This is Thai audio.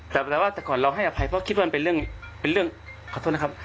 แต่แปลว่าแต่ก่อนเราให้อภัยเพราะคิดว่ามันเป็นเรื่องเป็นเรื่องขอโทษนะครับ